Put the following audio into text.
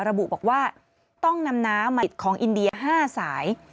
ระบุบอกว่าต้องนำน้ำมาจากจุดสิบของอินเดีย๕สาย